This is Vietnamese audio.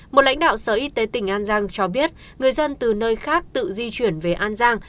một lãnh đạo sở y tế tỉnh an giang cho biết người dân từ nơi khác tự di chuyển về an giang